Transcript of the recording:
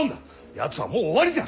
やつはもう終わりじゃ！